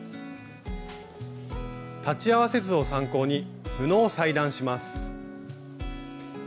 裁ち合わせ図を参考に布を裁断します。